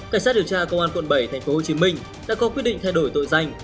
cảnh sát điều tra công an quận bảy tp hcm đã có quyết định thay đổi tội danh